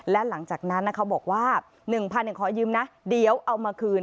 และหลังจากนั้นเขาบอกว่า๑๐๐ขอยืมนะเดี๋ยวเอามาคืน